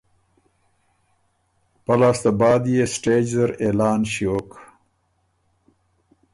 پۀ لاسته بعد يې سټېج زر اعلان ݭیوک